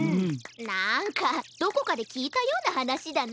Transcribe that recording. なんかどこかできいたようなはなしだな。